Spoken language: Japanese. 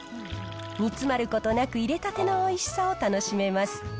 煮詰まることなく入れたてのおいしさを楽しめます。